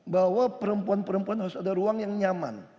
bahwa perempuan perempuan harus ada ruang yang nyaman